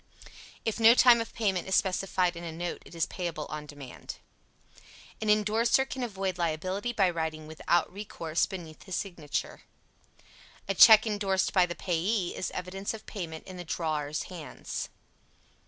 If no time of payment is specified in a note it is payable on demand. An indorser can avoid liability by writing "without recourse" beneath his signature. A check indorsed by the payee is evidence of payment in the drawer's hands.